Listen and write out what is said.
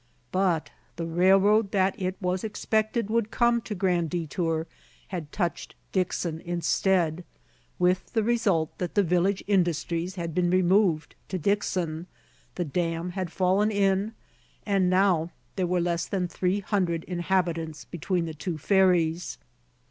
But the railroad that it was expected would come to Grand Detour had touched Dixon instead, with the result that the village industries had been removed to Dixon, the dam had fallen in, and now there were less than three hundred inhabitants between the two ferries.